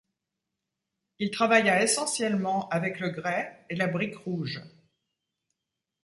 Il travailla essentiellement avec le grès et la brique rouge.